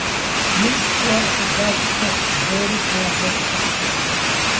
- Мис, фор хьэлэл пхухъу! - жери бажэр ӏукӏуэтащ.